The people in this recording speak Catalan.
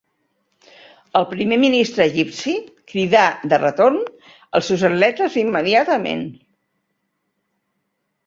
El Primer Ministre egipci cridà de retorn els seus atletes immediatament.